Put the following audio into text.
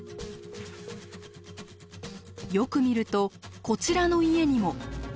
よく見るとこちらの家にも。